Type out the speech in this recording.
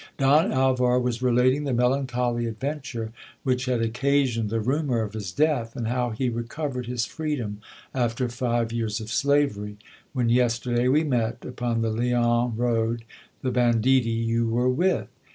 Don Alvar was relating the melan . choly adventure which had occasioned the rumour of his death, and how he recovered his freedom, after five years of slavery, when yesterday we met upon the Leon road the banditti you were with.